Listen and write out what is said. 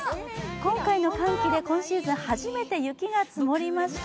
今回の寒気で今シーズン初めて雪が積もりました。